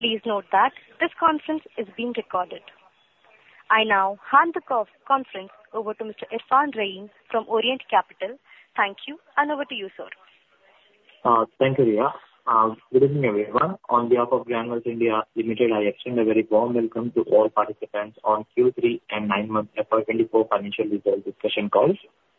Please note that this conference is being recorded. I now hand the conference over to Mr. Irfan Raeen from Orient Capital. Thank you, and over to you, sir. Thank you, Ria. Good evening, everyone. On behalf of Granules India Limited, I extend a very warm welcome to all participants on Q3 and nine-month FY 2024 financial results discussion call.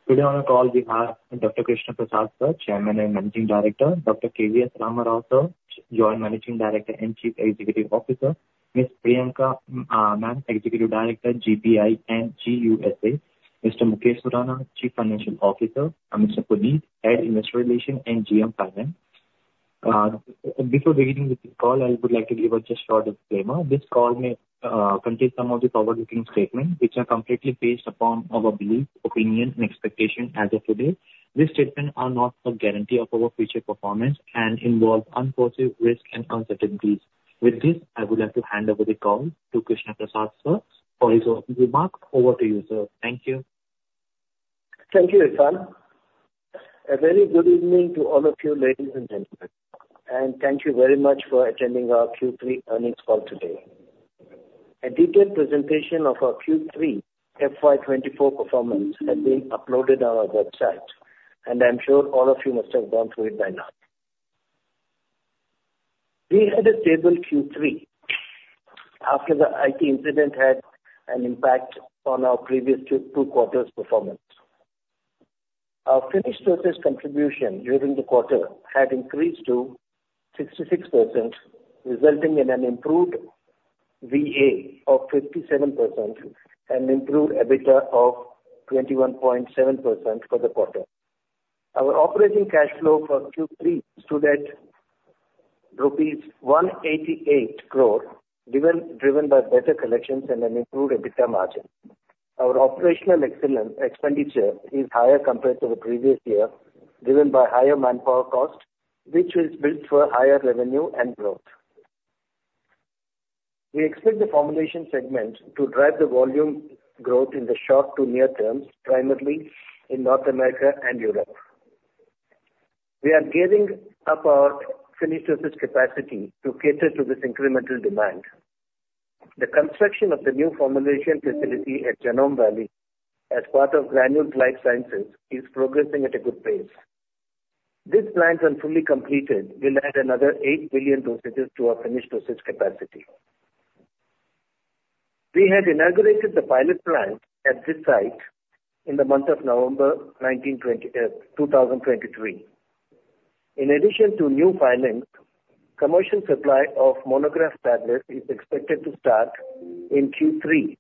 Today on the call, we have Dr. Krishna Prasad, sir, Chairman and Managing Director, Dr. K.V.S. Ramrao, sir, Joint Managing Director and Chief Executive Officer, Ms. Priyanka, ma'am, Executive Director, GPI and GUSA, Mr. Mukesh Surana, Chief Financial Officer, and Mr. Puneet, Head, Investor Relations, and GM Finance. Before beginning with the call, I would like to give a just short disclaimer. This call may contain some of the forward-looking statements, which are completely based upon our belief, opinion, and expectation as of today. These statements are not a guarantee of our future performance and involve unforeseen risks and uncertainties. With this, I would like to hand over the call to Krishna Prasad, sir, for his opening remarks. Over to you, sir. Thank you. Thank you, Irfan. A very good evening to all of you, ladies and gentlemen, and thank you very much for attending our Q3 earnings call today. A detailed presentation of our Q3 FY 2024 performance has been uploaded on our website, and I'm sure all of you must have gone through it by now. We had a stable Q3 after the IT incident had an impact on our previous two quarters' performance. Our finished dosage contribution during the quarter had increased to 66%, resulting in an improved VA of 57% and improved EBITDA of 21.7% for the quarter. Our operating cash flow for Q3 stood at rupees 188 crore, driven by better collections and an improved EBITDA margin. Our operational excellence expenditure is higher compared to the previous year, driven by higher manpower costs, which is built for higher revenue and growth. We expect the formulation segment to drive the volume growth in the short to near terms, primarily in North America and Europe. We are gearing up our finished dosage capacity to cater to this incremental demand. The construction of the new formulation facility at Genome Valley as part of Granules Life Sciences is progressing at a good pace. This plant, when fully completed, will add another 8 billion dosages to our finished dosage capacity. We had inaugurated the pilot plant at this site in the month of November 2023. In addition to new filings, commercial supply of monograph tablets is expected to start in Q3.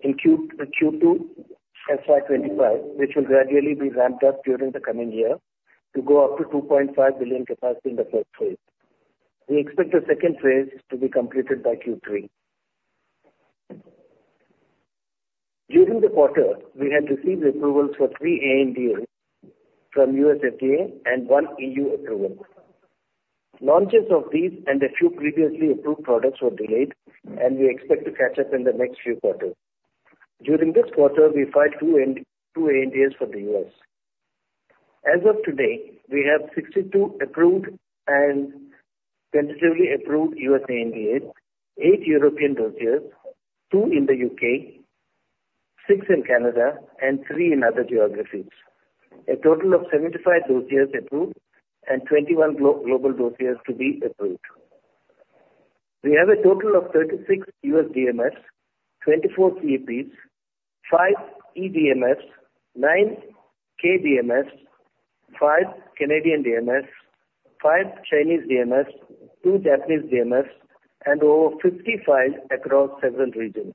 In Q2 FY 2025, which will gradually be ramped up during the coming year to go up to 2.5 billion capacity in the first phase. We expect the second phase to be completed by Q3. During the quarter, we had received approvals for three ANDAs from USFDA and one EU approval. Launches of these and a few previously approved products were delayed, and we expect to catch up in the next few quarters. During this quarter, we filed two ANDAs for the US. As of today, we have 62 approved and tentatively approved US ANDAs, eight European dossiers, two in the U.K., six in Canada, and three in other geographies. A total of 75 dossiers approved and 21 global dossiers to be approved. We have a total of 36 US DMFs, 24 CEPs, five EDMFs, nine KDMFs, five Canadian DMFs, five Chinese DMFs, two Japanese DMFs, and over 50 files across several regions.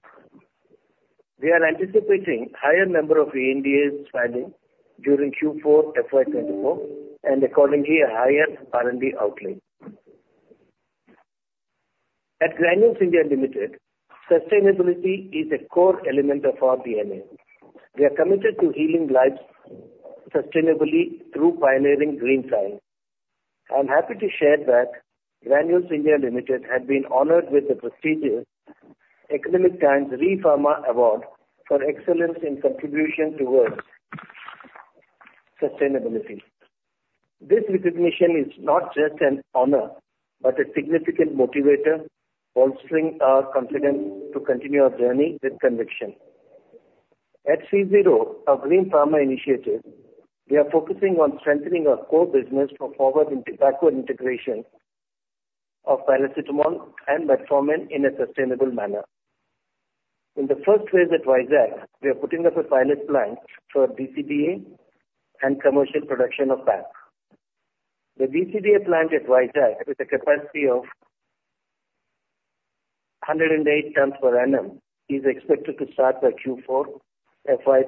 We are anticipating higher number of ANDAs filing during Q4 FY 2024, and accordingly, a higher R&D outlay. At Granules India Limited, sustainability is a core element of our DNA. We are committed to healing lives sustainably through pioneering green science. I'm happy to share that Granules India Limited had been honored with the prestigious Economic Times Repharma Award for Excellence in Contribution towards Sustainability. This recognition is not just an honor, but a significant motivator, bolstering our confidence to continue our journey with conviction. At CZRO, our Green Pharma initiative, we are focusing on strengthening our core business for backward integration of paracetamol and metformin in a sustainable manner. In the first phase at Vizag, we are putting up a pilot plant for DCDA and commercial production of PAP. The DCDA plant at Vizag, with a capacity of 108 tons per annum, is expected to start by Q4 FY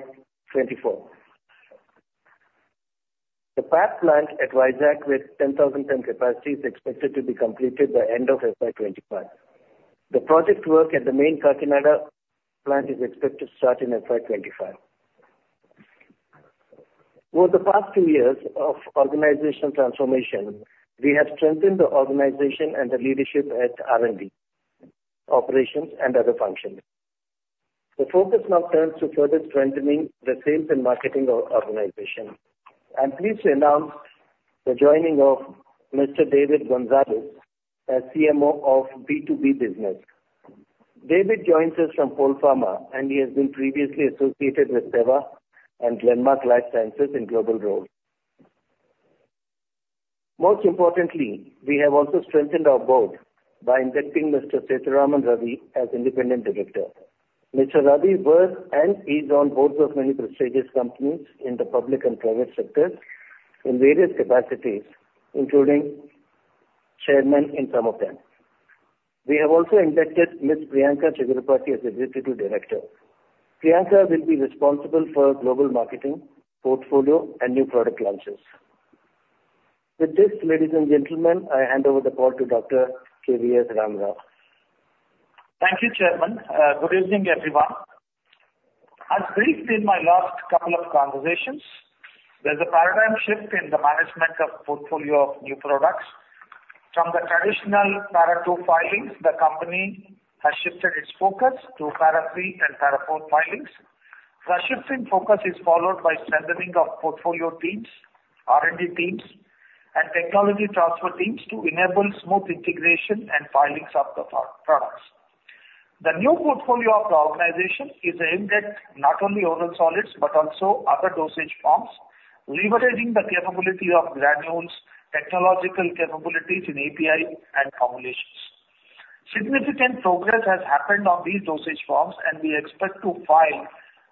2024. The PAP plant at Vizag, with 10,000-ton capacity, is expected to be completed by end of FY 2025. The project work at the main Kakinada plant is expected to start in FY 2025. Over the past two years of organizational transformation, we have strengthened the organization and the leadership at R&D, operations, and other functions. The focus now turns to further strengthening the sales and marketing or organization. I'm pleased to announce the joining of Mr. David Gonzalez as CMO of B2B business. David joins us from Polpharma, and he has been previously associated with Teva and Glenmark Life Sciences in global roles. Most importantly, we have also strengthened our board by inducting Mr. Sethurathnam Ravi as Independent Director. Mr. Ravi was and is on boards of many prestigious companies in the public and private sectors in various capacities, including chairman in some of them. We have also inducted Miss Priyanka Chigurupati as Executive Director. Priyanka will be responsible for global marketing, portfolio, and new product launches. With this, ladies and gentlemen, I hand over the call to Dr. K.V.S. Ramrao. Thank you, Chairman. Good evening, everyone. As briefed in my last couple of conversations, there's a paradigm shift in the management of portfolio of new products. From the traditional Para II filings, the company has shifted its focus to Para III and Para IV filings. The shift in focus is followed by strengthening of portfolio teams, R&D teams, and technology transfer teams to enable smooth integration and filings of the pro- products. The new portfolio of the organization is aimed at not only oral solids but also other dosage forms, leveraging the capability of Granules, technological capabilities in API and formulations. Significant progress has happened on these dosage forms, and we expect to file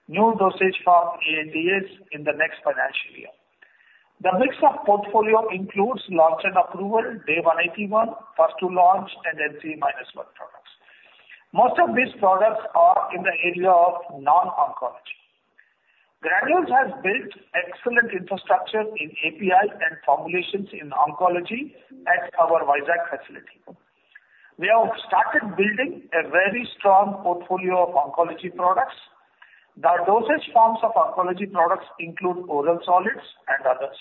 new dosage form ANDAs in the next financial year. The mix of portfolio includes launch and approval, Day 181, first-to-launch, and NCE-1 products. Most of these products are in the area of non-oncology. Granules has built excellent infrastructure in API and formulations in oncology at our Vizag facility. We have started building a very strong portfolio of oncology products. The dosage forms of oncology products include oral solids and others.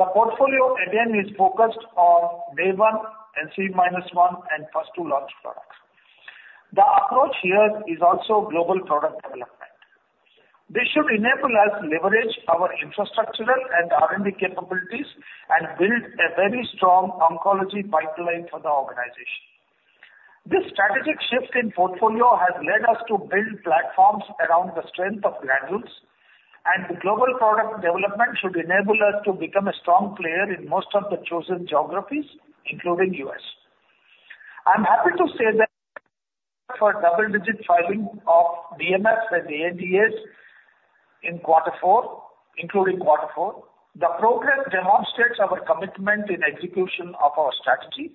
The portfolio again is focused on Day One, NCE-1, and first-to-launch products. The approach here is also global product development. This should enable us to leverage our infrastructural and R&D capabilities and build a very strong oncology pipeline for the organization. This strategic shift in portfolio has led us to build platforms around the strength of Granules, and the global product development should enable us to become a strong player in most of the chosen geographies, including U.S. I'm happy to say that for double-digit filing of DMFs and ANDAs in quarter four, including quarter four, the progress demonstrates our commitment in execution of our strategy.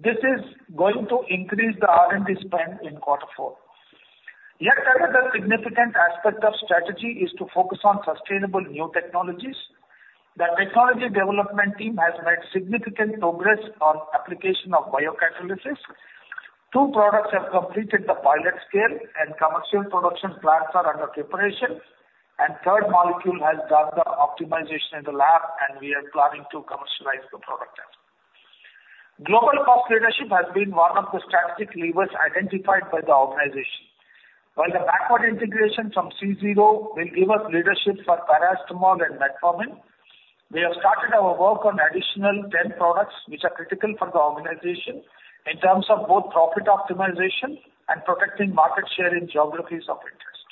This is going to increase the R&D spend in quarter four. Yet another significant aspect of strategy is to focus on sustainable new technologies. The technology development team has made significant progress on application of biocatalysis. Two products have completed the pilot scale, and commercial production plants are under preparation, and third molecule has done the optimization in the lab, and we are planning to commercialize the product then. Global cost leadership has been one of the strategic levers identified by the organization. While the backward integration from CZRO will give us leadership for paracetamol and metformin, we have started our work on additional 10 products which are critical for the organization in terms of both profit optimization and protecting market share in geographies of interest.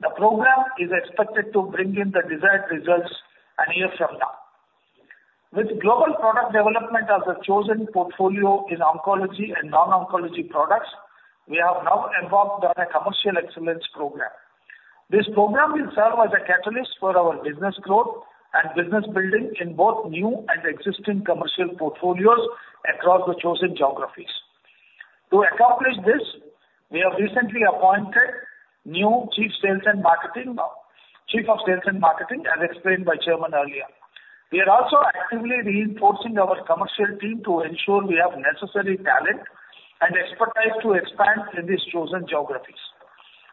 The program is expected to bring in the desired results a year from now. With global product development as a chosen portfolio in oncology and non-oncology products, we have now embarked on a commercial excellence program. This program will serve as a catalyst for our business growth and business building in both new and existing commercial portfolios across the chosen geographies. To accomplish this, we have recently appointed new Chief Sales and Marketing, Chief of Sales and Marketing, as explained by Chairman earlier. We are also actively reinforcing our commercial team to ensure we have necessary talent and expertise to expand in these chosen geographies.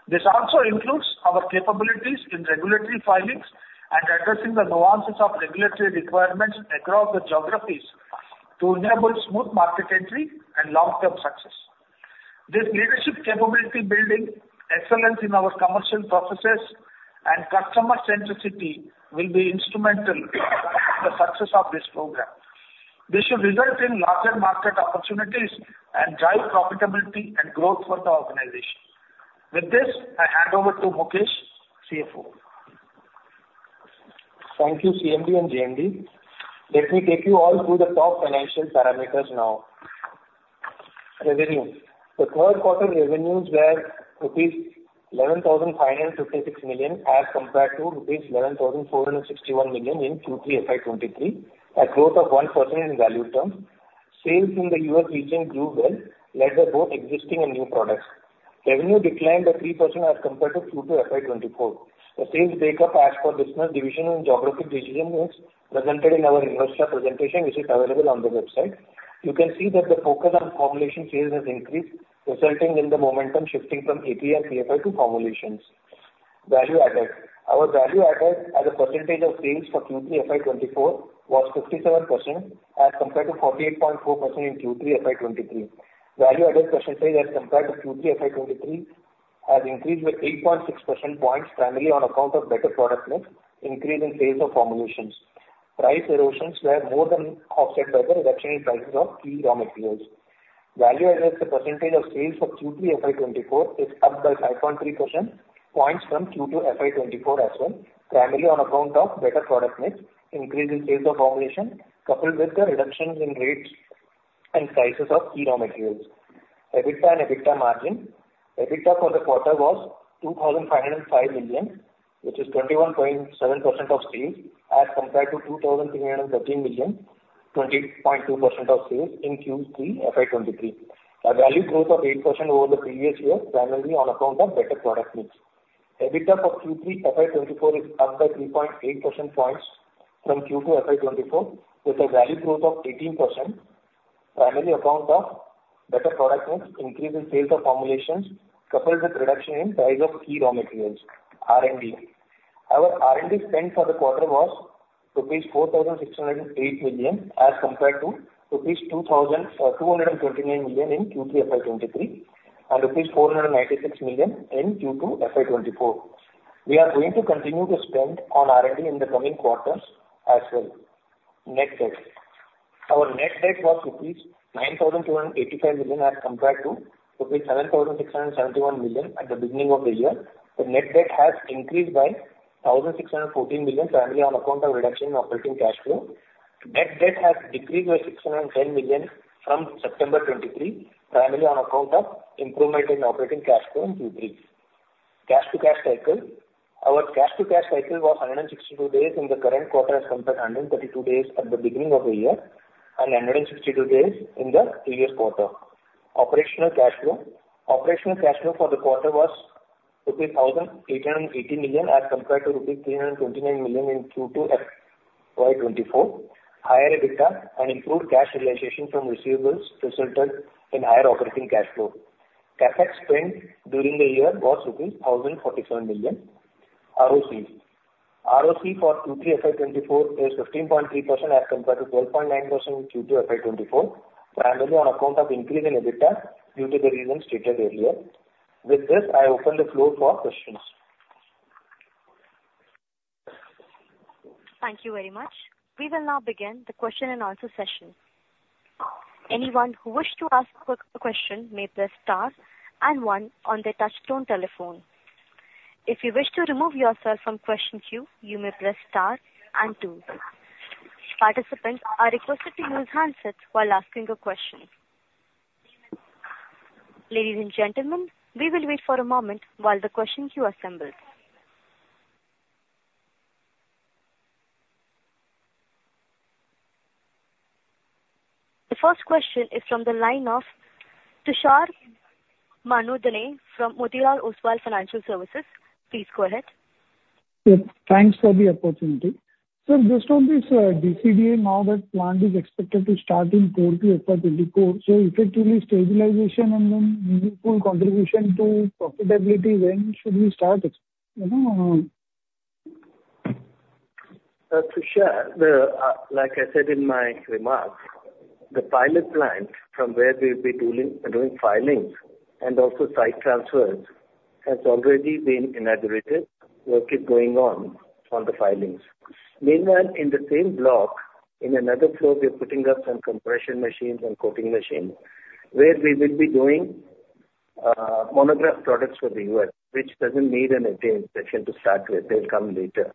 This also includes our capabilities in regulatory filings and addressing the nuances of regulatory requirements across the geographies to enable smooth market entry and long-term success. This leadership capability building, excellence in our commercial processes, and customer centricity will be instrumental in the success of this program. This should result in larger market opportunities and drive profitability and growth for the organization. With this, I hand over to Mukesh, CFO. Thank you, CMD and JMD. Let me take you all through the top financial parameters now. Revenue. The third quarter revenues were rupees 11,556 million, as compared to rupees 11,461 million in Q3 FY 2023, a growth of 1% in value terms. Sales in the US region grew well, led by both existing and new products. Revenue declined by 3% as compared to Q2 FY 2024. The sales breakup as per business division and geographic destinations, presented in our investor presentation, which is available on the website. You can see that the focus on formulation sales has increased, resulting in the momentum shifting from API and PFI to formulations. Value added. Our value added as a percentage of sales for Q3 FY 2024 was 57%, as compared to 48.4% in Q3 FY 2023. Value added percentage as compared to Q3 FY 2023 has increased by 8.6 percentage points, primarily on account of better product mix, increase in sales of formulations. Price erosions were more than offset by the reduction in prices of key raw materials. Value added as a percentage of sales for Q3 FY 2024 is up by 5.3 percentage points from Q2 FY 2024 as well, primarily on account of better product mix, increase in sales of formulation, coupled with the reductions in rates and prices of key raw materials. EBITDA and EBITDA margin. EBITDA for the quarter was 2,505 million, which is 21.7% of sales, as compared to 2,313 million, 20.2% of sales in Q3 FY 2023. A value growth of 8% over the previous year, primarily on account of better product mix. EBITDA for Q3 FY 2024 is up by 3.8 percentage points from Q2 FY 2024, with a value growth of 18%, primarily on account of better product mix, increase in sales of formulations, coupled with reduction in price of key raw materials. R&D. Our R&D spend for the quarter was rupees 4,608 million, as compared to rupees 2,229 million in Q3 FY 2023, and rupees 496 million in Q2 FY 2024. We are going to continue to spend on R&D in the coming quarters as well. Net debt. Our net debt was rupees 9,285 million, as compared to rupees 7,671 million at the beginning of the year. The net debt has increased by 1,614 million, primarily on account of reduction in operating cash flow. Net debt has decreased by 610 million from September 2023, primarily on account of improvement in operating cash flow in Q3. Cash to cash cycle. Our cash to cash cycle was 162 days in the current quarter, as compared to 132 days at the beginning of the year, and 162 days in the previous quarter. Operational cash flow. Operational cash flow for the quarter was rupees 1,880 million, as compared to rupees 329 million in Q2 FY 2024. Higher EBITDA and improved cash realization from receivables resulted in higher operating cash flow. CapEx spend during the year was rupees 1,047 million. ROC. ROC for Q3 FY 2024 is 15.3%, as compared to 12.9% in Q2 FY 2024, primarily on account of increase in EBITDA due to the reasons stated earlier. With this, I open the floor for questions. Thank you very much. We will now begin the question and answer session. Anyone who wished to ask a question may press star and one on their touch-tone telephone. If you wish to remove yourself from question queue, you may press star and two. Participants are requested to use handsets while asking a question. Ladies and gentlemen, we will wait for a moment while the question queue assembles. The first question is from the line of Tushar Manudhane from Motilal Oswal Financial Services. Please go ahead. Yep, thanks for the opportunity. So based on this, DCDA, now that plant is expected to start in Q2 FY 2024, so effectively stabilization and then meaningful contribution to profitability, when should we start it, you know? Tushar, like I said in my remarks, the pilot plant, from where we'll be doing filings and also site transfers, has already been inaugurated. We'll keep going on the filings. Meanwhile, in the same block, in another floor, we're putting up some compression machines and coating machines, where we will be doing monograph products for the US, which doesn't need an inspection to start with. They'll come later.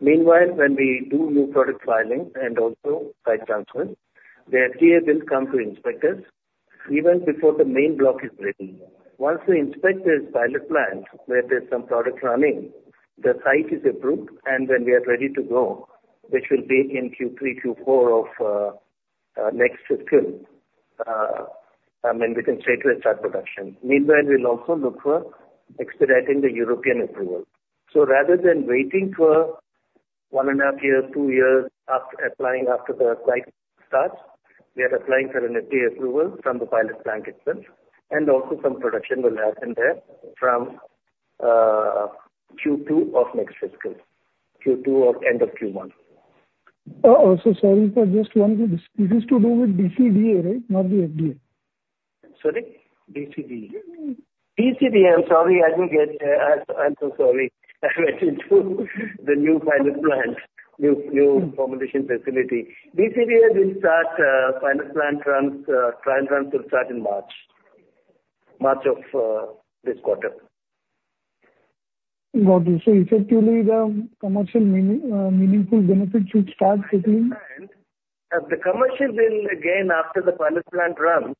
Meanwhile, when we do new product filing and also site transfers, the FDA will come to inspect us even before the main block is ready. Once they inspect this pilot plant, where there's some products running, the site is approved, and when we are ready to go, which will be in Q3, Q4 of next fiscal, then we can straightaway start production. Meanwhile, we'll also look for expediting the European approval. Rather than waiting for 1.5 years, two years, after applying, after the site starts, we are applying for an FDA approval from the pilot plant itself, and also some production will happen there from Q2 of next fiscal, Q2 or end of Q1. Also, this is to do with DCDA, right? Not the FDA. Sorry, DCDA. DCDA, I'm sorry, I didn't get. I, I'm so sorry. I went into the new pilot plant, new, new formulation facility. DCDA will start, pilot plant runs, trial runs will start in March, March of, this quarter. Got it. So effectively, the commercial meaningful benefit should start kicking in? The commercial will, again, after the pilot plant run,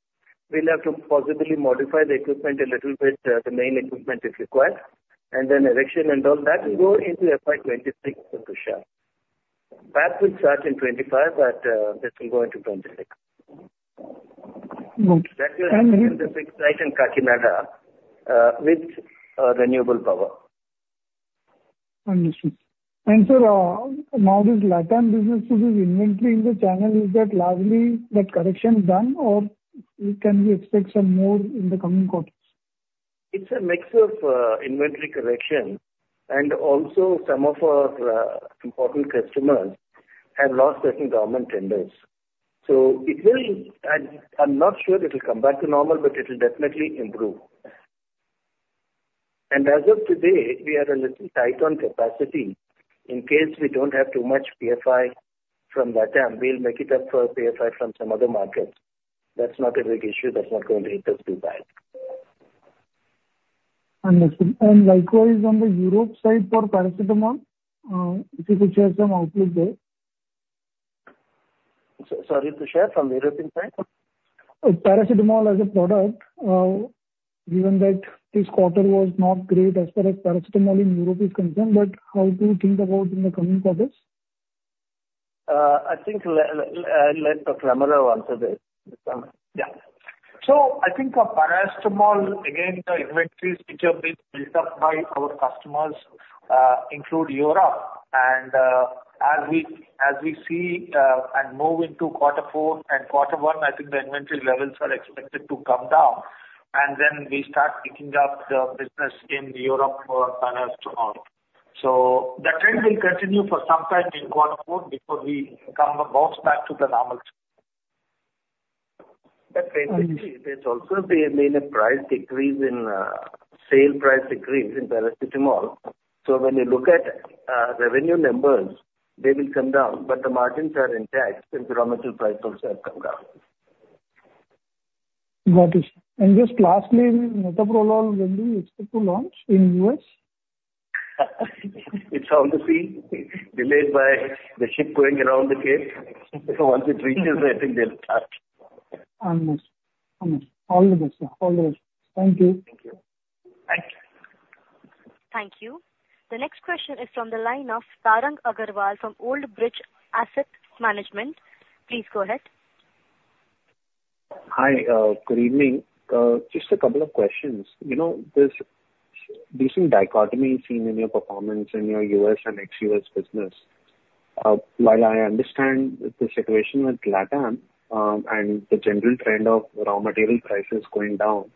we'll have to possibly modify the equipment a little bit, the main equipment is required, and then erection and all that will go into FY 2026, Tushar. That will start in 2025, but this will go into 2026. Okay. Mm-hmm. That will happen in the site in Kakinada, with renewable power. ... Understood. And sir, now this Latin business with this inventory in the channel, is that largely that correction done, or can we expect some more in the coming quarters? It's a mix of inventory correction and also some of our important customers have lost certain government tenders. So it will. I'm not sure it will come back to normal, but it will definitely improve. And as of today, we are a little tight on capacity. In case we don't have too much PFI from Latin, we'll make it up for PFI from some other markets. That's not a big issue. That's not going to hit us too bad. Understood. Likewise, on the Europe side, for paracetamol, if you could share some outlook there. Sorry, to share from the European side? paracetamol as a product, given that this quarter was not great as far as paracetamol in Europe is concerned, but how do you think about in the coming quarters? I think I'll let dr. Ramrao answer this one. Yeah. So I think our paracetamol, again, the inventories which have been built up by our customers, include Europe. And, as we, as we see, and move into quarter four and quarter one, I think the inventory levels are expected to come down, and then we start picking up the business in Europe for paracetamol. So the trend will continue for some time in quarter four before we come the most back to the normal. But basically, there's also been a price decrease in sale price decrease in paracetamol. So when you look at revenue numbers, they will come down, but the margins are intact, and raw material prices have come down. Got it. Just lastly, Metoprolol, when do you expect to launch in U.S.? It's on the sea, delayed by the ship going around the cape. Once it reaches there, I think they'll start. Understood. Understood. All the best, sir. All the best. Thank you. Thank you. Thank you. Thank you. The next question is from the line of Tarang Agarwal from Old Bridge Asset Management. Please go ahead. Hi, good evening. Just a couple of questions. You know, there's recent dichotomy seen in your performance in your U.S. and ex-U.S. business. While I understand the situation with Latin, and the general trend of raw material prices going down,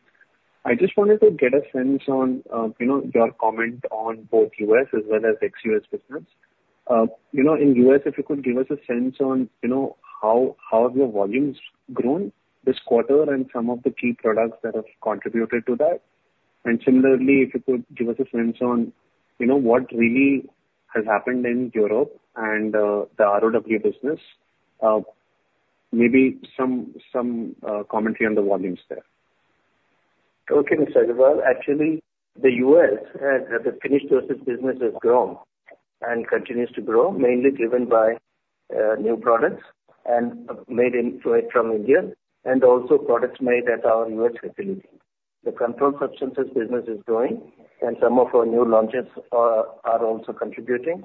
I just wanted to get a sense on, you know, your comment on both U.S. as well as ex-U.S. business. You know, in U.S., if you could give us a sense on, you know, how have your volumes grown this quarter and some of the key products that have contributed to that? And similarly, if you could give us a sense on, you know, what really has happened in Europe and, the ROW business, maybe some commentary on the volumes there. Okay, Mr. Agarwal. Actually, the U.S., the finished doses business has grown and continues to grow, mainly driven by new products and made fully from India, and also products made at our U.S. facility. The controlled substances business is growing, and some of our new launches are also contributing.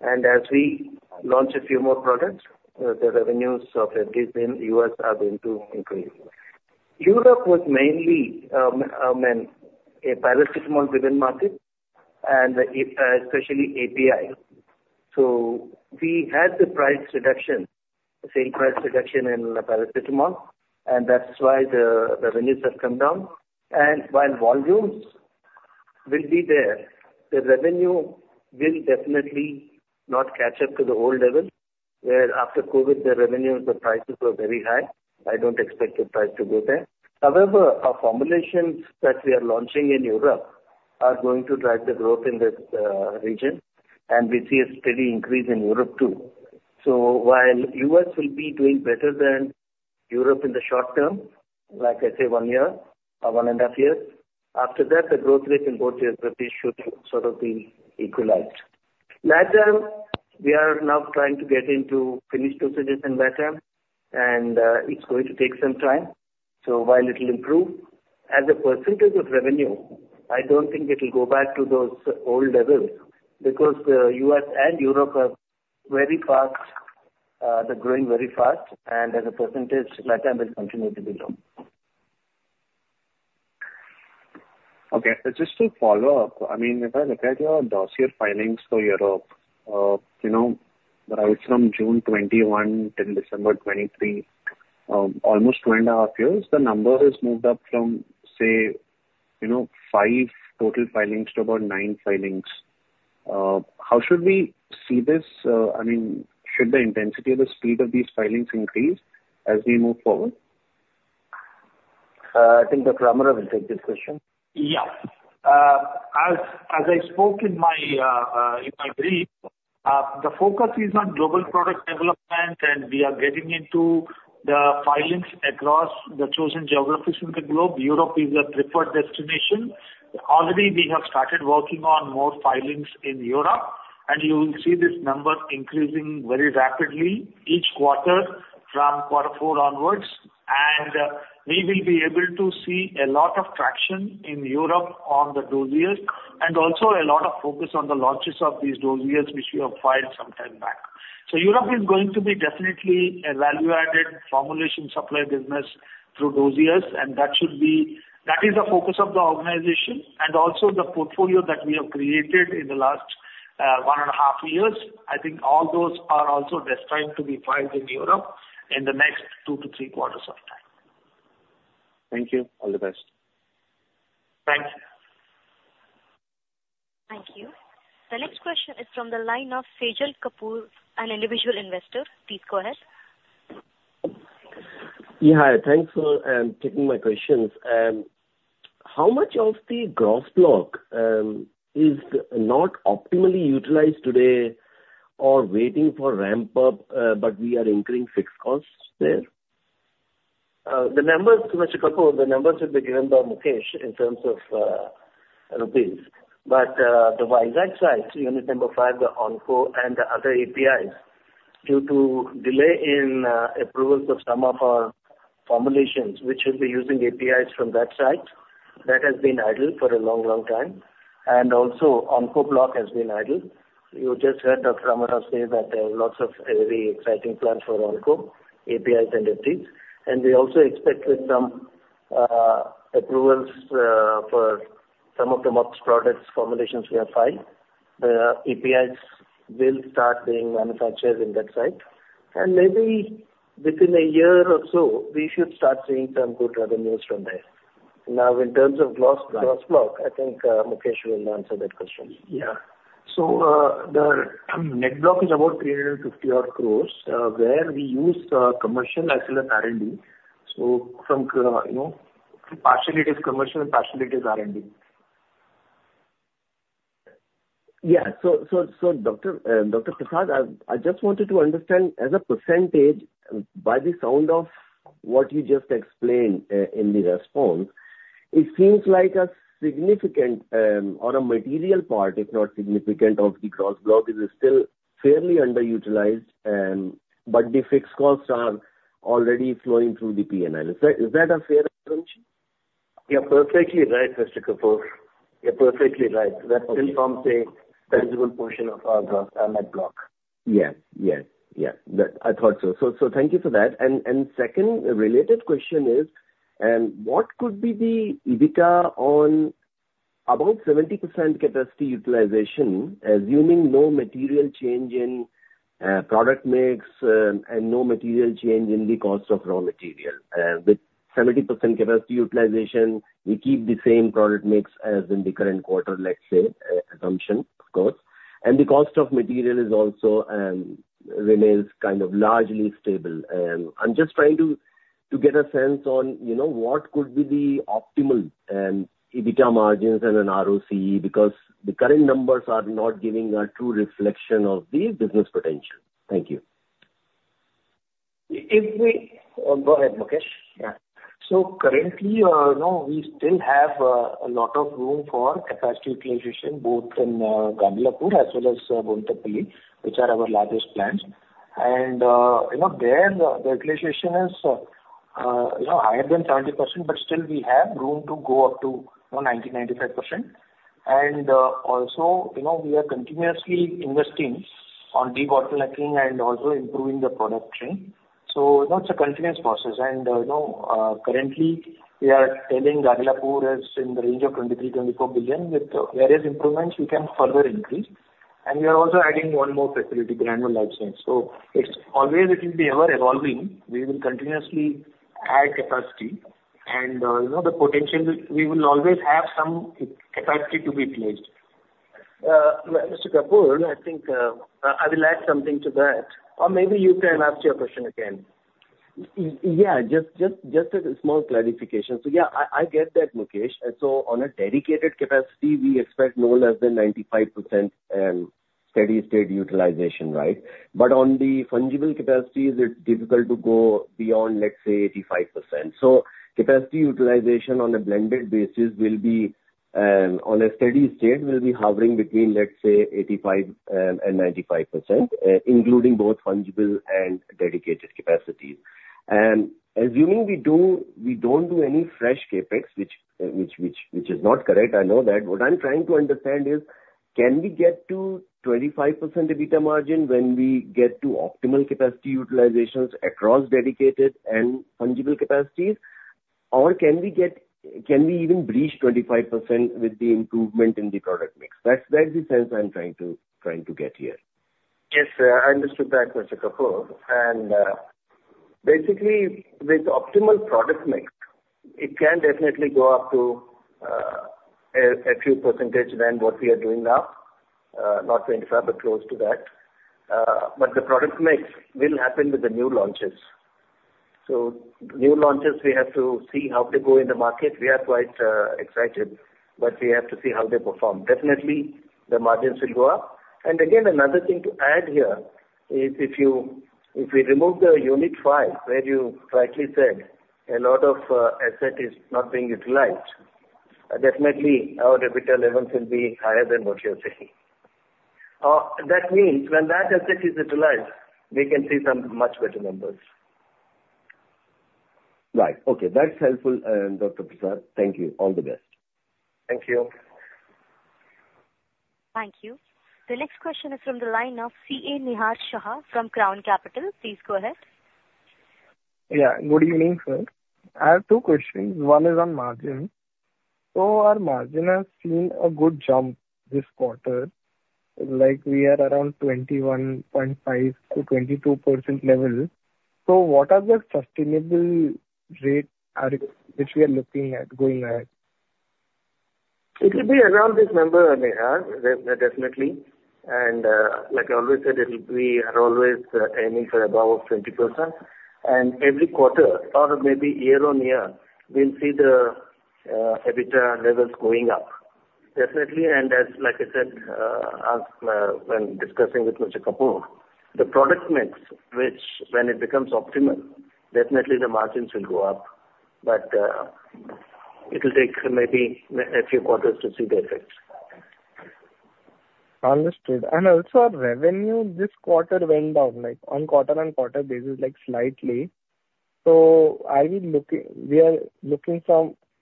And as we launch a few more products, the revenues of entities in the U.S. are going to increase. Europe was mainly a paracetamol-driven market and especially API. So we had the price reduction, the same price reduction in the paracetamol, and that's why the revenues have come down. And while volumes will be there, the revenue will definitely not catch up to the old level, where after COVID, the revenues, the prices were very high. I don't expect the price to go there. However, our formulations that we are launching in Europe are going to drive the growth in this, region, and we see a steady increase in Europe, too. So while U.S. will be doing better than Europe in the short term, like I say, one year or 1.5 years, after that, the growth rate in both the entities should sort of be equalized. Latin, we are now trying to get into finished dosages in Latin, and, it's going to take some time. So while it will improve, as a percentage of revenue, I don't think it will go back to those old levels because the U.S. and Europe are very fast, they're growing very fast, and as a percentage, Latin will continue to be low. Okay. Just to follow up, I mean, if I look at your dossier filings for Europe, you know, right from June 2021 till December 2023, almost two and a half years, the number has moved up from, say, you know, five total filings to about nine filings. How should we see this? I mean, should the intensity or the speed of these filings increase as we move forward? I think Dr. Ramrao will take this question. Yeah. As I spoke in my brief, the focus is on global product development, and we are getting into the filings across the chosen geographies in the globe. Europe is our preferred destination. Already, we have started working on more filings in Europe, and you will see this number increasing very rapidly each quarter from quarter four onwards. And we will be able to see a lot of traction in Europe on the dossiers and also a lot of focus on the launches of these dossiers, which we have filed some time back.... So Europe is going to be definitely a value-added formulation supply business through those years, and that should be, that is the focus of the organization and also the portfolio that we have created in the last one and a half years. I think all those are also destined to be filed in Europe in the next two to three quarters of time. Thank you. All the best. Thank you. Thank you. The next question is from the line of Sajal Kapur, an individual investor. Please go ahead. Yeah, hi. Thanks for taking my questions. How much of the gross block is not optimally utilized today or waiting for ramp up, but we are incurring fixed costs there? The numbers, Mr. Kapur, the numbers will be given by Mukesh in terms of rupees. But the Vizag site, unit number five, the onco and the other APIs, due to delay in approvals of some of our formulations, which will be using APIs from that site, that has been idle for a long, long time, and also onco block has been idle. You just heard Dr. Rao say that there are lots of very exciting plans for onco, APIs and FTs. And we also expect with some approvals for some of the MUPS products formulations we have filed, the APIs will start being manufactured in that site. And maybe within a year or so, we should start seeing some good revenues from there. Now, in terms of gross, gross block, I think Mukesh will answer that question. Yeah. So, the net block is about 350 odd crores, where we use commercial as well as R&D. So from, you know, partially it is commercial, partially it is R&D. Yeah. Dr. Prasad, I just wanted to understand, as a percentage, by the sound of what you just explained, in the response, it seems like a significant, or a material part, if not significant, of the gross block is still fairly underutilized, but the fixed costs are already flowing through the PNL. Is that a fair assumption? You're perfectly right, Mr. Kapur. You're perfectly right. Okay. That still forms a tangible portion of our gross, net block. Yeah. Yeah, yeah. That. I thought so. So, thank you for that. And, second related question is, what could be the EBITDA on about 70% capacity utilization, assuming no material change in, product mix, and no material change in the cost of raw material? With 70% capacity utilization, we keep the same product mix as in the current quarter, let's say, assumption, of course, and the cost of material is also, remains kind of largely stable. I'm just trying to get a sense on, you know, what could be the optimal, EBITDA margins and an ROCE, because the current numbers are not giving a true reflection of the business potential. Thank you. If we... Oh, go ahead, Mukesh. Yeah. So currently, you know, we still have a lot of room for capacity utilization, both in Gagillapur as well as Bonthapally, which are our largest plants. And you know, there, the utilization is you know, higher than 70%, but still we have room to go up to you know, 90%-95%. And you know, we are continuously investing on debottlenecking and also improving the product chain. So that's a continuous process. And you know, currently, we are telling Gagillapur is in the range of 23 billion-24 billion. With various improvements, we can further increase. And we are also adding one more facility, Granules Life Sciences. So it's always, it will be ever-evolving. We will continuously add capacity and, you know, the potential, we will always have some capacity to be placed. Mr. Kapur, I think, I will add something to that, or maybe you can ask your question again. Yeah, just a small clarification. So yeah, I get that, Mukesh. And so on a dedicated capacity, we expect no less than 95% steady state utilization, right? But on the fungible capacities, it's difficult to go beyond, let's say, 85%. So capacity utilization on a blended basis will be, on a steady state, hovering between, let's say, 85% and 95%, including both fungible and dedicated capacities. Assuming we don't do any fresh CapEx, which is not correct, I know that. What I'm trying to understand is, can we get to 25% EBITDA margin when we get to optimal capacity utilizations across dedicated and fungible capacities? Or can we even breach 25% with the improvement in the product mix? That's the sense I'm trying to get here. Yes, I understood that, Mr. Kapur. And, basically, with optimal product mix, it can definitely go up to, a, a few percentage than what we are doing now, not to infer, but close to that. But the product mix will happen with the new launches. So new launches, we have to see how they go in the market. We are quite excited, but we have to see how they perform. Definitely, the margins will go up. And again, another thing to add here is if you, if we remove the unit five, where you rightly said a lot of asset is not being utilized, definitely our EBITDA levels will be higher than what you're saying. That means when that asset is utilized, we can see some much better numbers.... Right. Okay, that's helpful, Dr. Prasad. Thank you. All the best. Thank you. Thank you. The next question is from the line of CA Nihar Shah from Crown Capital. Please go ahead. Yeah, good evening, sir. I have two questions. One is on margin. So our margin has seen a good jump this quarter, like we are around 21.5%-22% level. So what are the sustainable rate are, which we are looking at going ahead? It will be around this number, Nihar, definitely, and like I always said, it'll be, we are always aiming for above 20%. And every quarter or maybe year-on-year, we'll see the EBITDA levels going up. Definitely, and as like I said, as when discussing with Mr. Kapoor, the product mix, which when it becomes optimal, definitely the margins will go up. But it will take maybe a few quarters to see the effects. Understood. Also our revenue this quarter went down, like, on quarter-on-quarter basis, like, slightly. So are we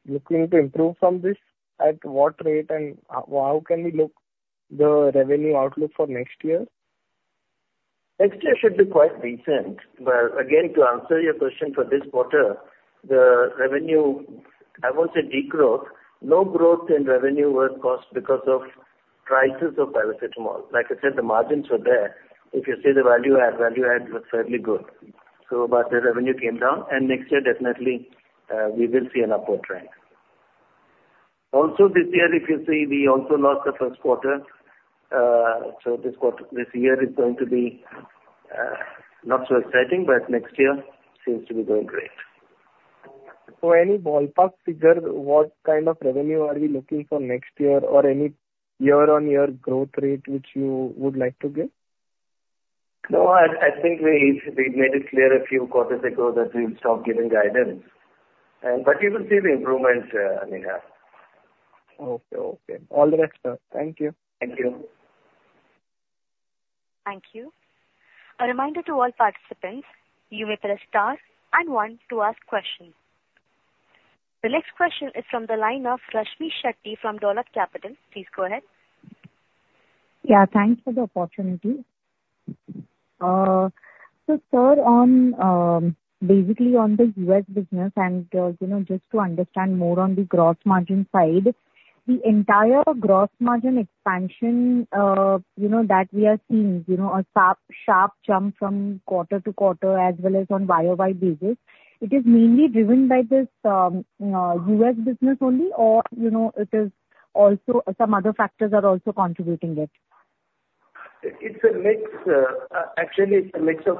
looking to improve from this? At what rate and how can we look at the revenue outlook for next year? Next year should be quite decent. But again, to answer your question for this quarter, the revenue, I won't say degrowth, no growth in revenue was caused because of prices of paracetamol. Like I said, the margins are there. If you see the value add, value add was fairly good. So but the revenue came down, and next year definitely, we will see an upward trend. Also, this year if you see, we also lost the first quarter. So this quarter, this year is going to be not so exciting, but next year seems to be going great. Any ballpark figure, what kind of revenue are we looking for next year or any year-on-year growth rate which you would like to give? No, I think we made it clear a few quarters ago that we will stop giving guidance, but you will see the improvement, Nihar. Okay. Okay. All the best, sir. Thank you. Thank you. Thank you. A reminder to all participants, you may press star and one to ask questions. The next question is from the line of Rashmmi Shetty from Dolat Capital. Please go ahead. Yeah, thanks for the opportunity. So, sir, on, basically on the U.S. business and, you know, just to understand more on the gross margin side, the entire gross margin expansion, you know, that we are seeing, you know, a sharp, sharp jump from quarter to quarter as well as on YoY basis, it is mainly driven by this, U.S. business only, or, you know, it is also some other factors are also contributing it? It's a mix. Actually, it's a mix of,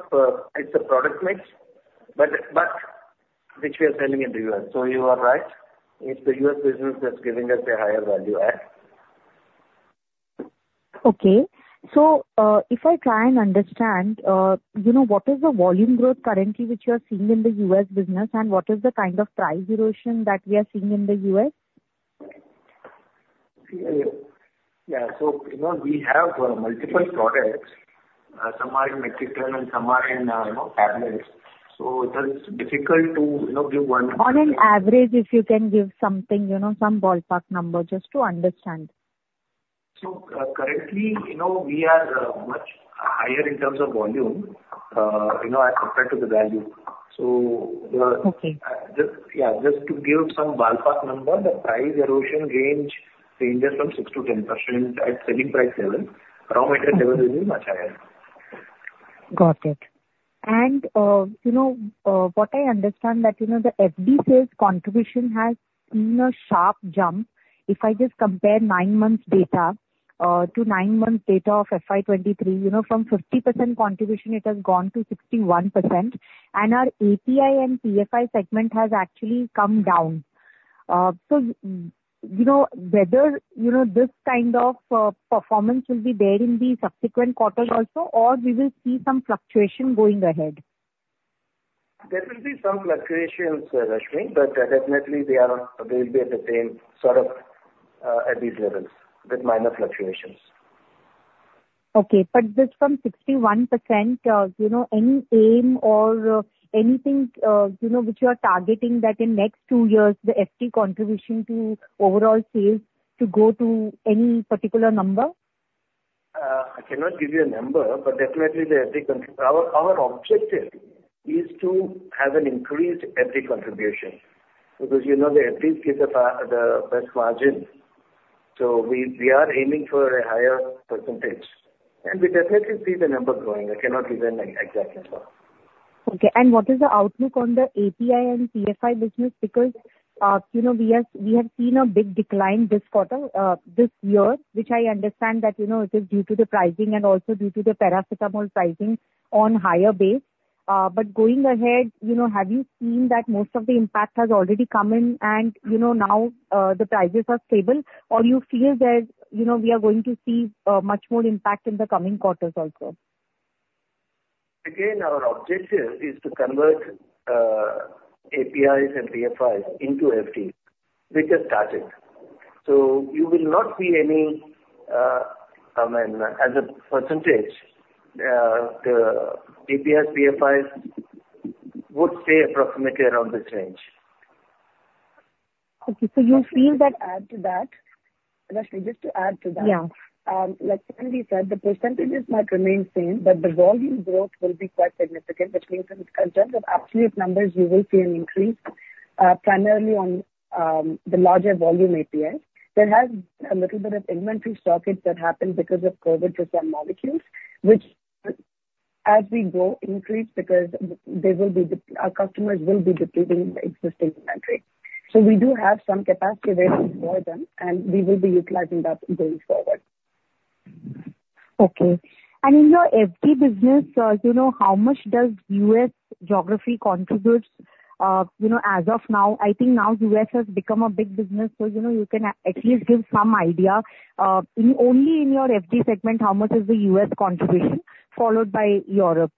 it's a product mix, but which we are selling in the U.S. So you are right. It's the U.S. business that's giving us a higher value add. Okay. So, if I try and understand, you know, what is the volume growth currently which you are seeing in the U.S. business, and what is the kind of price erosion that we are seeing in the U.S.? Yeah. So, you know, we have multiple products. Some are in liquid and some are in, you know, tablets. So it is difficult to, you know, give one- On an average, if you can give something, you know, some ballpark number, just to understand. So, currently, you know, we are much higher in terms of volume, you know, as compared to the value. So, Okay. Just, yeah, just to give some ballpark number, the price erosion range ranges from 6%-10% at selling price level. Raw material level is much higher. Got it. And, you know, what I understand that, you know, the FD sales contribution has seen a sharp jump. If I just compare nine months data to nine months data of FY 2023, you know, from 50% contribution, it has gone to 61%, and our API and PFI segment has actually come down. So, you know, whether, you know, this kind of performance will be there in the subsequent quarters also, or we will see some fluctuation going ahead? There will be some fluctuations, Rashmmi, but definitely they are, they will be at the same sort of, at these levels with minor fluctuations. Okay. But just from 61%, you know, any aim or anything, you know, which you are targeting that in next two years, the FD contribution to overall sales to go to any particular number? I cannot give you a number, but definitely the FD cont... Our objective is to have an increased FD contribution, because, you know, the FDs give the best margin. So we are aiming for a higher percentage, and we definitely see the number growing. I cannot give an exact number. Okay. And what is the outlook on the API and PFI business? Because, you know, we have, we have seen a big decline this quarter, this year, which I understand that, you know, it is due to the pricing and also due to the paracetamol pricing on higher base. But going ahead, you know, have you seen that most of the impact has already come in and, you know, now, the prices are stable, or you feel that, you know, we are going to see, much more impact in the coming quarters also? Again, our objective is to convert APIs and PFIs into FDs. We just started. So you will not see any, I mean, as a percentage, the APIs, PFIs would stay approximately around this range. Okay. So you feel that. Add to that, Rashmmi, just to add to that. Yeah. Like CMD said, the percentages might remain same, but the volume growth will be quite significant, which means in terms of absolute numbers, we will see an increase, primarily on the larger volume APIs. There has been a little bit of inventory stockouts that happened because of COVID with some molecules, which as we grow, increase because there will be our customers will be depleting the existing inventory. So we do have some capacity ready for them, and we will be utilizing that going forward. Okay. And in your FD business, you know, how much does U.S. geography contributes? You know, as of now, I think now U.S. has become a big business, so you know, you can at least give some idea. Only in your FD segment, how much is the U.S. contribution, followed by Europe?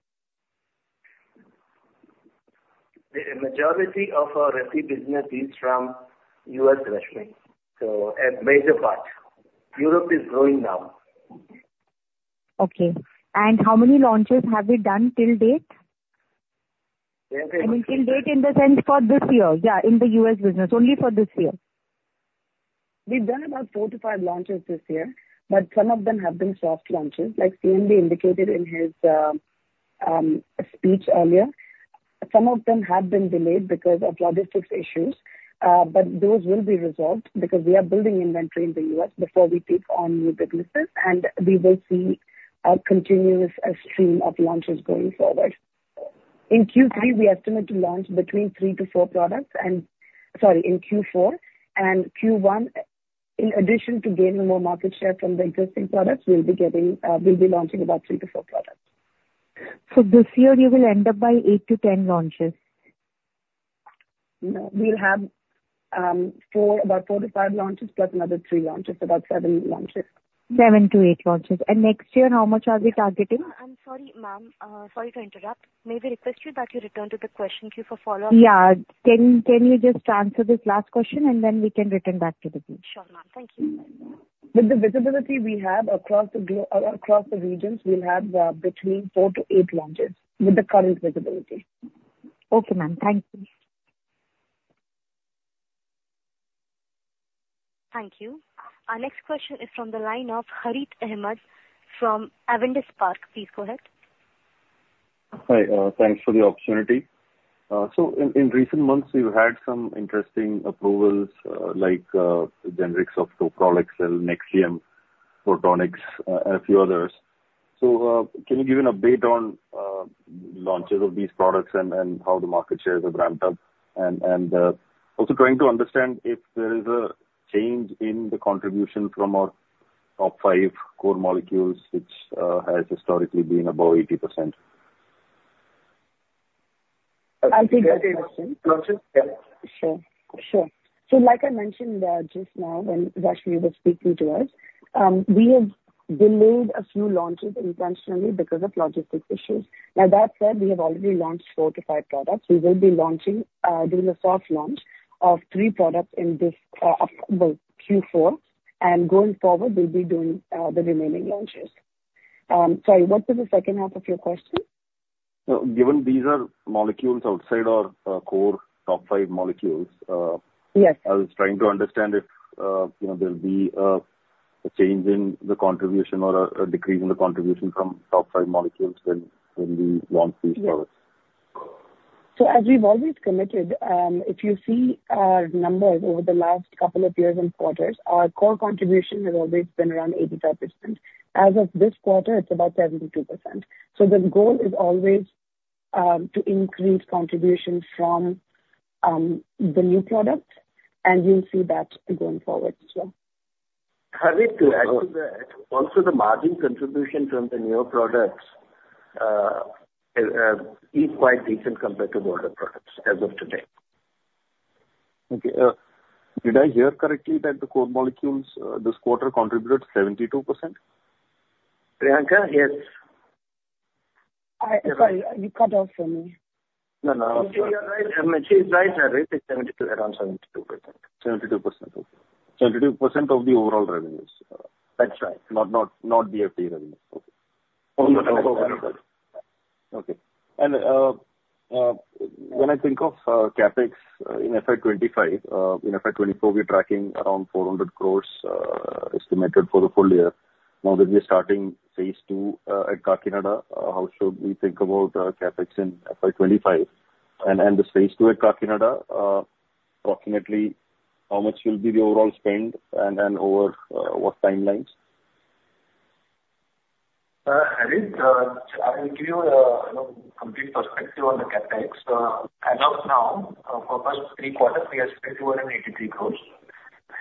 The majority of our revenue business is from U.S. customers, so a major part. Europe is growing now. Okay. How many launches have we done till date? Sorry- I mean, till date, in the sense for this year. Yeah, in the U.S. business, only for this year. We've done about four to five launches this year, but some of them have been soft launches, like Sandy indicated in his speech earlier. Some of them have been delayed because of logistics issues, but those will be resolved because we are building inventory in the U.S. before we take on new businesses, and we will see a continuous stream of launches going forward. In Q3, we estimate to launch between three to four products and... Sorry, in Q4 and Q1, in addition to gaining more market share from the existing products, we'll be getting, we'll be launching about three to four products. This year you will end up by eight to 10 launches? No, we'll have about four to five launches, plus another three launches. About seven launches. Seven to eight launches. Next year, how much are we targeting? I'm sorry, ma'am. Sorry to interrupt. May we request you that you return to the question queue for follow-up? Yeah. Can you just answer this last question and then we can return back to the queue? Sure, ma'am. Thank you. With the visibility we have across the regions, we'll have between four to eight launches with the current visibility. Okay, ma'am. Thank you. Thank you. Our next question is from the line of Harith Ahamed from Avendus Spark. Please go ahead. Hi, thanks for the opportunity. So in recent months, you've had some interesting approvals, like, generics of two products, Nexium, PROTONIX, and a few others. So, can you give an update on launches of these products and, also trying to understand if there is a change in the contribution from our top five core molecules, which has historically been above 80%. I'll take that question. Launches? Yeah. Sure. Sure. So like I mentioned, just now, when Rashmmi was speaking to us, we have delayed a few launches intentionally because of logistics issues. Now, that said, we have already launched four to five products. We will be launching, doing a soft launch of three products in this, well, Q4, and going forward, we'll be doing the remaining launches. Sorry, what was the second half of your question? Given these are molecules outside our core top five molecules, Yes. I was trying to understand if, you know, there'll be a change in the contribution or a decrease in the contribution from top five molecules when we launch these products? So as we've always committed, if you see our numbers over the last couple of years and quarters, our core contribution has always been around 85%. As of this quarter, it's about 72%. So the goal is always to increase contribution from the new products, and you'll see that going forward as well. Harit, to add to that, also the margin contribution from the newer products is quite decent compared to older products as of today. Okay. Did I hear correctly that the core molecules, this quarter contributed 72%? Priyanka, yes. Sorry, you cut off for me. No, no. You are right. He's right, Harit, it's 72, around 72%. 72%. 72% of the overall revenues? That's right. Not the FD revenues. Okay. Okay. When I think of CapEx in FY 2025, in FY 2024, we're tracking around 400 crore, estimated for the full year. Now that we are starting phase two at Kakinada, how should we think about our CapEx in FY 2025? And the phase two at Kakinada, approximately how much will be the overall spend, and then over what timelines? Harit, I will give you a, you know, complete perspective on the CapEx. As of now, for first three quarters, we have spent 283 crore,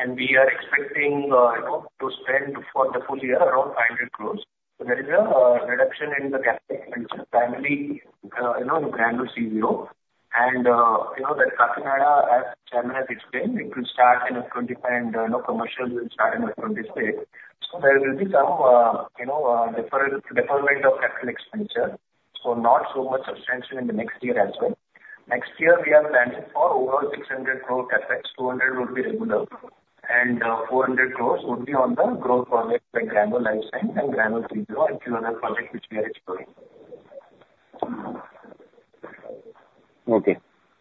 and we are expecting, you know, to spend for the full year around 500 crore. So there is a reduction in the CapEx venture, primarily, you know, in Granules CZRO. And, you know, the Kakinada, as Jamna has explained, it will start in 2025, and, you know, commercial will start in 2025. So there will be some, you know, deferral, deferment of capital expenditure, so not so much substantial in the next year as well. Next year, we have planned for over 600 crore CapEx, 200 crore would be regular and, 400 crore would be on the growth project, like Granules Life Sciences and Granules CZRO and few other projects which we are exploring. Okay.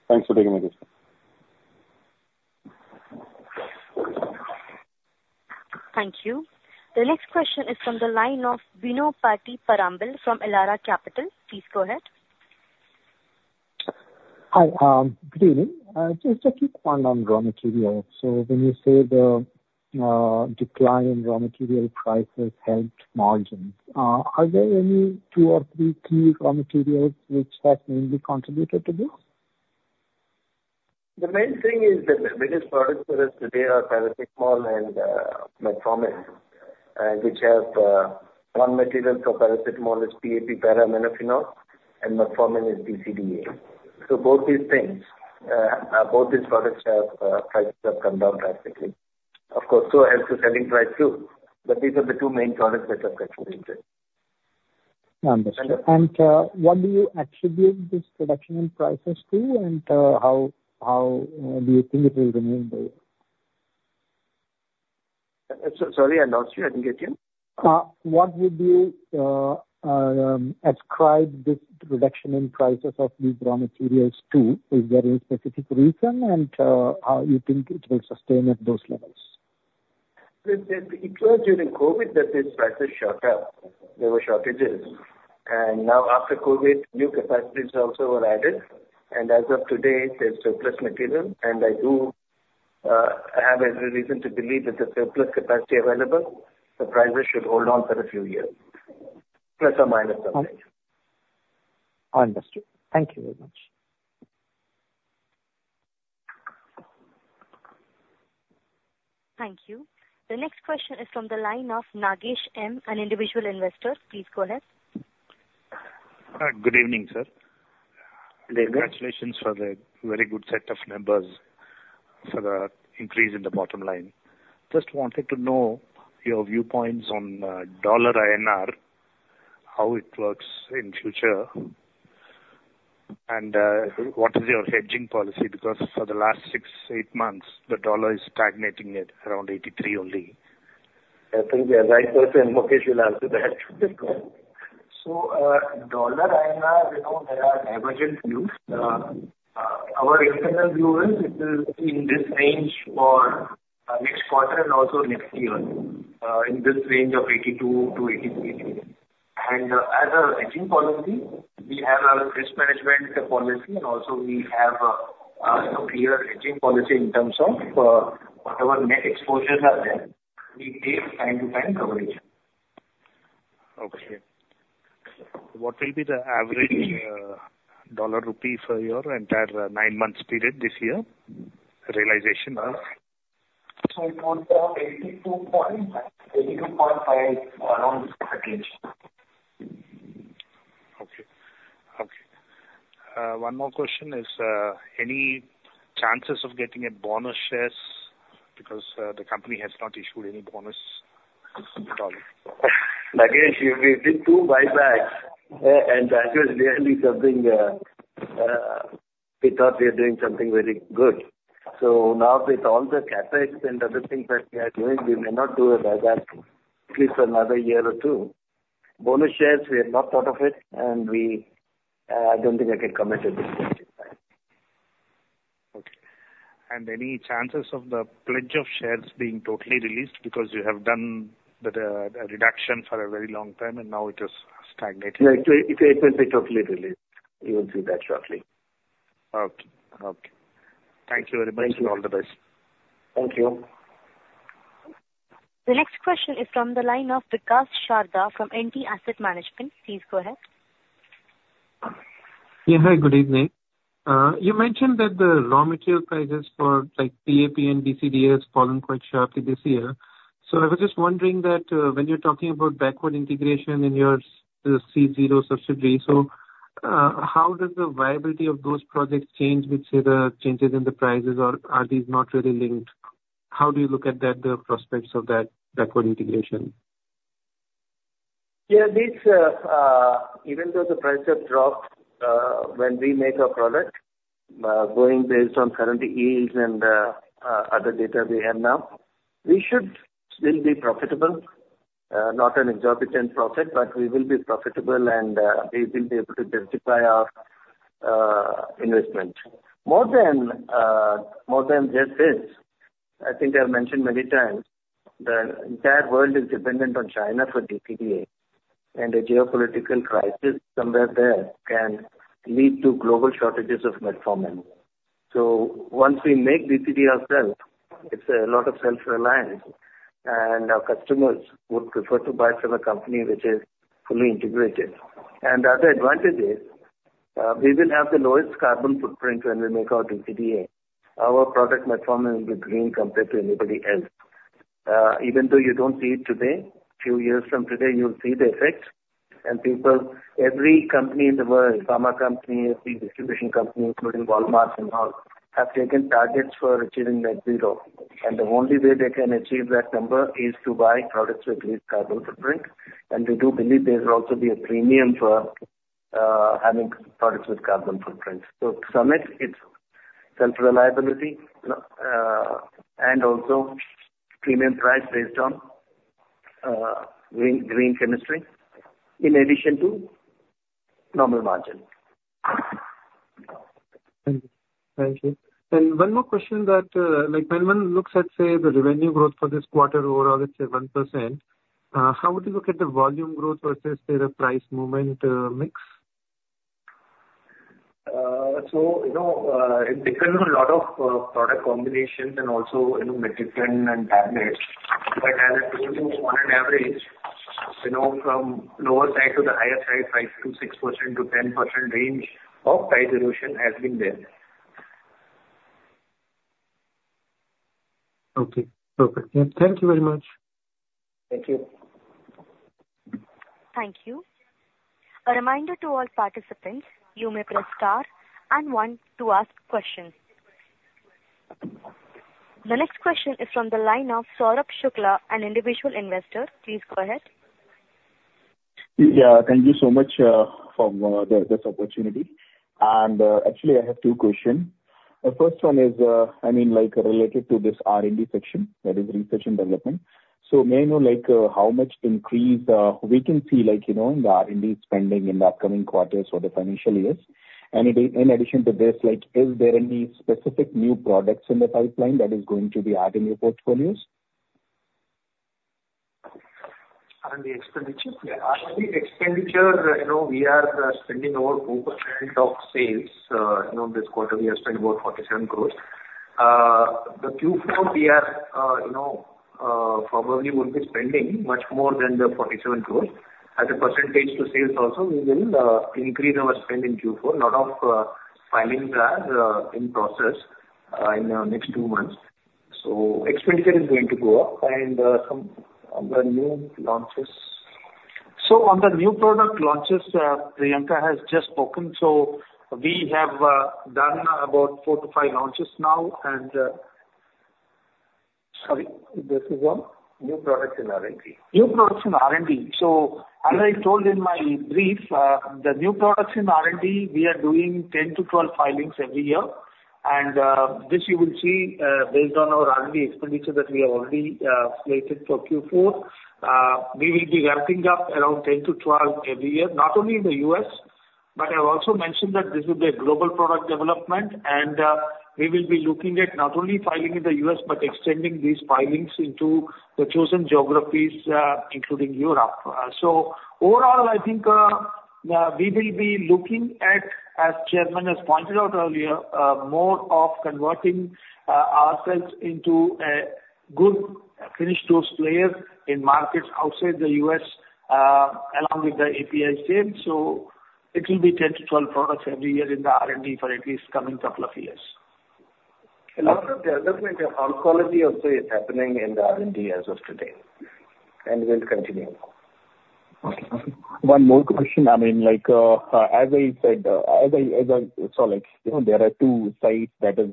Thanks for taking my question. Thank you. The next question is from the line of Bino Pathiparampil from Elara Capital. Please go ahead. Hi. Good evening. Just a quick one on raw material. So when you say the decline in raw material prices helped margins, are there any two or three key raw materials which have mainly contributed to this? The main thing is that the biggest products for us today are paracetamol and metformin, which have raw materials for paracetamol is PAP, para-aminophenol, and metformin is DCDA. So both these things, both these products have prices have come down drastically. Of course, so has the selling price, too, but these are the two main products that have contributed. Understood. What do you attribute this reduction in prices to, and how do you think it will remain there? Sorry, I lost you. I didn't get you. What would you ascribe this reduction in prices of these raw materials to? Is there any specific reason and how you think it will sustain at those levels? It was during COVID that these prices shot up. There were shortages, and now after COVID, new capacities also were added, and as of today, there's surplus material, and I do have every reason to believe that the surplus capacity available, the prices should hold on for a few years, plus or minus something. I understand. Thank you very much. Thank you. The next question is from the line of Nagesh M, an individual investor. Please go ahead. Hi, good evening, sir. Good evening. Congratulations for the very good set of numbers, for the increase in the bottom line. Just wanted to know your viewpoints on dollar INR, how it works in future, and what is your hedging policy? Because for the last 6-8 months, the dollar is stagnating at around 83 only. I think the right person, Mukesh, will answer that. So, dollar INR, you know, there are divergent views. Our internal view is it will be in this range for next quarter and also next year, in this range of 82-83. And as a hedging policy, we have our risk management policy, and also we have a clear hedging policy in terms of whatever net exposures are there. We take time to time coverage. Okay. What will be the average dollar rupee for your entire nine months period this year? Realization... It would be around 82.5, around that range. Okay. Okay. One more question is, any chances of getting a bonus shares? Because, the company has not issued any bonus since at all. Nagesh, we did two buybacks, and that was really something, we thought we were doing something very good. So now with all the CapEx and other things that we are doing, we may not do a buyback at least another year or two. Bonus shares, we have not thought of it, and we, I don't think I can comment at this point in time. Okay. Any chances of the pledge of shares being totally released, because you have done a reduction for a very long time, and now it is stagnating? Yeah, it will, it will be totally released. You will see that shortly. Okay. Okay. Thank you very much. Thank you. All the best. Thank you. The next question is from the line of Vikas Sharda from NTAsset Management. Please go ahead. Yeah, hi, good evening. You mentioned that the raw material prices for, like, PAP and DCDA has fallen quite sharply this year. So I was just wondering that, when you're talking about backward integration in your, the CZRO subsidiary, so, how does the viability of those projects change with, say, the changes in the prices or are these not really linked? How do you look at the, the prospects of that backward integration? Yeah, even though the price have dropped, when we make our product, going based on current yields and other data we have now, we should still be profitable. Not an exorbitant profit, but we will be profitable, and we will be able to justify our investment. More than just this, I think I've mentioned many times, the entire world is dependent on China for DCDA, and a geopolitical crisis somewhere there can lead to global shortages of metformin. So once we make DCDA ourselves, it's a lot of self-reliance, and our customers would prefer to buy from a company which is fully integrated. And the other advantage is, we will have the lowest carbon footprint when we make our DCDA. Our product, metformin, will be green compared to anybody else. Even though you don't see it today, few years from today, you'll see the effect. And people, every company in the world, pharma company, every distribution company, including Walmart and all, have taken targets for achieving net zero. And the only way they can achieve that number is to buy products with least carbon footprint, and we do believe there will also be a premium for having products with carbon footprint. So to sum it, it's self-reliability, and also premium price based on green, green chemistry, in addition to normal margin. Thank you. Thank you. One more question that, like when one looks at, say, the revenue growth for this quarter overall, let's say 1%, how would you look at the volume growth versus, say, the price movement, mix? So, you know, it depends on a lot of product combinations and also, you know, medicine and tablets. But as I told you, on an average, you know, from lower side to the higher side, 5%-6% to 10% range of price erosion has been there. Okay, perfect. Thank you very much. Thank you. Thank you. A reminder to all participants, you may press star and one to ask questions. The next question is from the line of Saurabh Shukla, an individual investor. Please go ahead. Yeah, thank you so much for this opportunity. And actually I have two question. The first one is, I mean, like related to this R&D section, that is research and development. So may I know, like, how much increase we can see, like, you know, in the R&D spending in the upcoming quarters or the financial years? And in addition to this, like, is there any specific new products in the pipeline that is going to be adding your portfolios? R&D expenditure? Yeah, R&D expenditure, you know, we are spending over 2% of sales. You know, this quarter we have spent about 47 crore. The Q4, we are, you know, probably will be spending much more than the 47 crore. As a percentage to sales also, we will increase our spend in Q4. Lot of filings are in process in the next two months. So expenditure is going to go up and some of the new launches. So on the new product launches, Priyanka has just spoken. So we have done about four to five launches now, and— Sorry, this is on? New products in R&D. New products in R&D. So as I told in my brief, the new products in R&D, we are doing 10-12 filings every year. This you will see, based on our R&D expenditure that we have already stated for Q4. We will be ramping up around 10-12 every year, not only in the U.S., but I've also mentioned that this will be a global product development. And, we will be looking at not only filing in the U.S., but extending these filings into the chosen geographies, including Europe. So overall, I think, we will be looking at, as Chairman has pointed out earlier, more of converting ourselves into a good finished dose player in markets outside the U.S., along with the API sales. So it will be 10-12 products every year in the R&D for at least coming couple of years. A lot of development on quality also is happening in the R&D as of today, and will continue. Okay. One more question. I mean, like, as I said, as I saw, like, you know, there are two sites that is,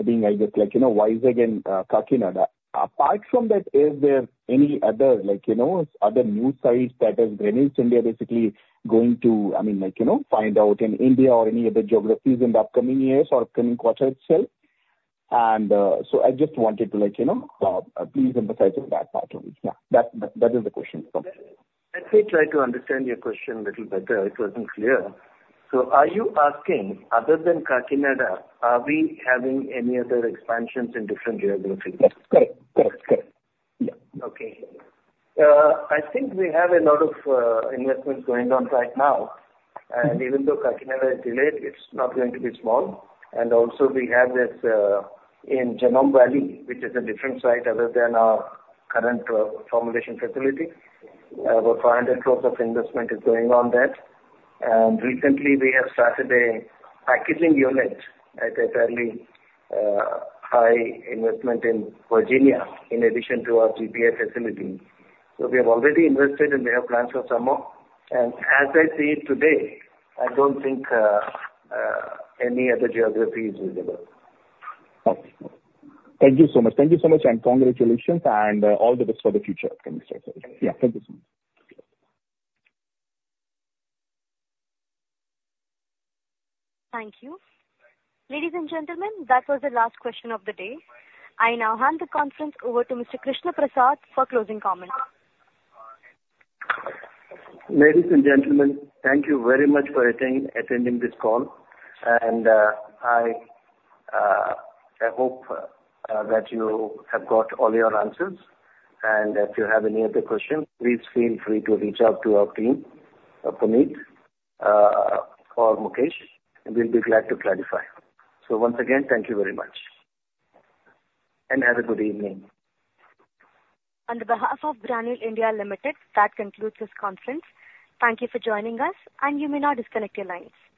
I think I just like, you know, Vizag and, Kakinada. Apart from that, is there any other, like, you know, other new sites that is Granules India basically going to, I mean, like, you know, find out in India or any other geographies in the upcoming years or upcoming quarter itself? And, so I just wanted to, like, you know, please emphasize on that part only. Yeah, that is the question. Let me try to understand your question a little better. It wasn't clear. So are you asking, other than Kakinada, are we having any other expansions in different geographies? Yes. Correct. Correct. Correct. Yeah. Okay. I think we have a lot of investments going on right now, and even though Kakinada is delayed, it's not going to be small. Also we have this in Genome Valley, which is a different site other than our current formulation facility. Over 400 crore of investment is going on that. And recently we have started a packaging unit at a fairly high investment in Virginia, in addition to our GPI facility. So we have already invested, and we have plans for some more. And as I see it today, I don't think any other geography is visible. Okay. Thank you so much. Thank you so much, and congratulations, and all the best for the future. Yeah. Thank you so much. Thank you. Ladies and gentlemen, that was the last question of the day. I now hand the conference over to Mr. Krishna Prasad for closing comments. Ladies and gentlemen, thank you very much for attending this call, and I hope that you have got all your answers. If you have any other questions, please feel free to reach out to our team, Puneet, or Mukesh, and we'll be glad to clarify. Once again, thank you very much, and have a good evening. On behalf of Granules India Limited, that concludes this conference. Thank you for joining us, and you may now disconnect your lines.